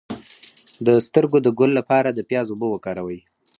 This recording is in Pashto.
د سترګو د ګل لپاره د پیاز اوبه وکاروئ